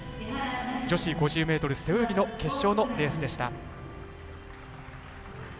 女子５０ｍ背泳ぎの決勝のレースでした。